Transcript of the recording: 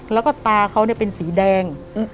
แล้วก็ตาเขาเป็นสีแดง